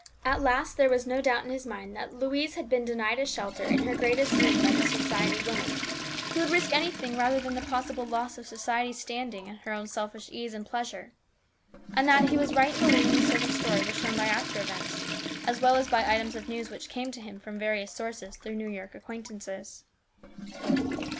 At last there was no doubt n in his mind that Louise had been denied a shelter in her greatest need by this society woman, who would risk anything rather than the possible loss of society standing and her own selfish ease and pleasure. And that he was right in believing the servant's story was shown by after events, as well as by items of news which came to him from various sources through New York acquaintances.